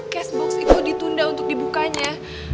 cashbox itu ditunda untuk dibukanya